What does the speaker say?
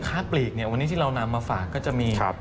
โดยพอยิ่งสวัสดีนะครับ